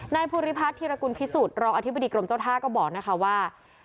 ภูริพัฒน์ธิรกุลพิสุทธิ์รองอธิบดีกรมเจ้าท่าก็บอกนะคะว่า